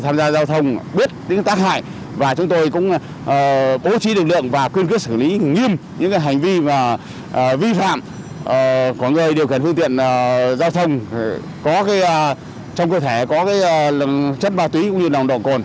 mà trong cơ thể có chất ma túy vi phạm nồng độ cồn